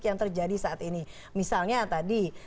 yang terjadi saat ini misalnya tadi